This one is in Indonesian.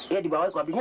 ya dibawah kopinya